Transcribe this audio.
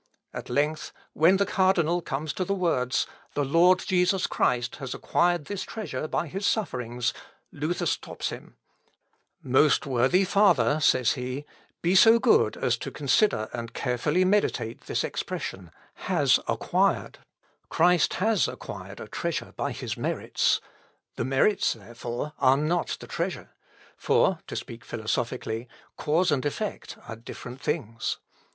At length, when the cardinal comes to the words, "The Lord Jesus Christ has acquired this treasure by his sufferings,". Luther stops him, "Most worthy father," says he, "be so good as consider and carefully meditate this expression, 'has acquired.' Christ has acquired a treasure by his merits; the merits, therefore, are not the treasure; for, to speak philosophically, cause and effect are different things.